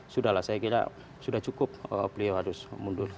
sudahlah saya kira sudah cukup beliau harus mundur